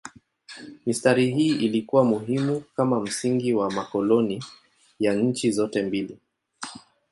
Mistari hii ilikuwa muhimu kama msingi wa makoloni ya nchi zote mbili.